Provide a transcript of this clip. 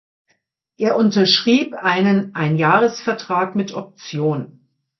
Er unterschrieb einen Einjahresvertrag mit Option.